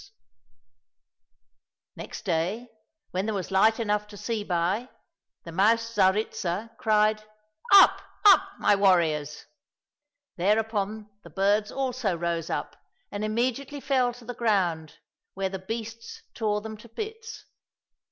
239 COSSACK FAIRY TALES Next day, when there was light enough to see by, the mouse Tsaritsa cried, " Up, up, my warriors !" Thereupon the birds also rose up, and immediately fell to the ground, where the beasts tore them to bits.